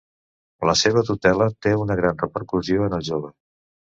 La seva tutela té una gran repercussió en el jove.